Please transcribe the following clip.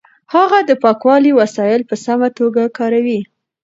هغه د پاکوالي وسایل په سمه توګه کاروي.